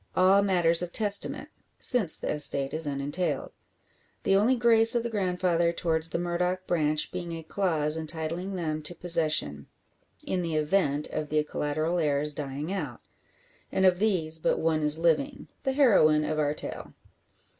All matters of testament, since the estate is unentailed; the only grace of the grandfather towards the Murdock branch being a clause entitling them to possession, in the event of the collateral heirs dying out. And of these but one is living the heroine of our tale.